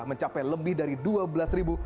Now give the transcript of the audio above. mencapai lebih dari dua belas ribu